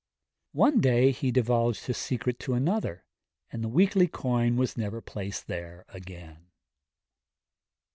One day he divulged his secret to another, and the weekly coin was never placed there again.